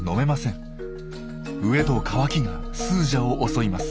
飢えと渇きがスージャを襲います。